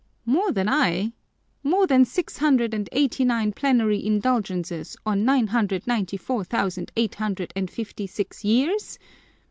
"More than I? More than six hundred and eighty nine plenary indulgences or nine hundred ninety four thousand eight hundred and fifty six years?"